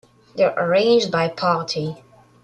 They are arranged by party.